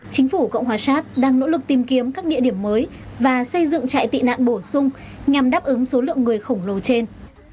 chính phủ cộng hòa sát đang nỗ lực tìm kiếm các địa điểm mới và xây dựng trại tị nạn bổ sung nhằm đáp ứng số lượng người khổng lồ trên